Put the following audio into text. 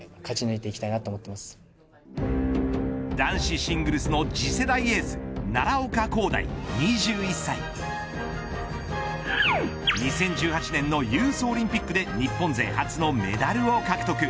男子シングルスの次世代エース奈良岡功大、２１歳２０１８年のユースオリンピックで日本勢初のメダルを獲得。